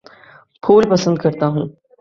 پھول پسند کرتا ہوں